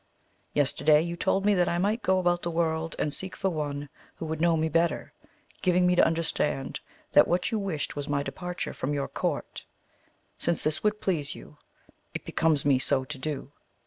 Yesterday you told me that I might go about the world and seek for one who would know me better, giving me to understand that what you wished was my departure from your court ; since this would please you it be comes me so to do.